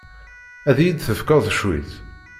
Ad iyi-d-tefkeḍ cwiṭ?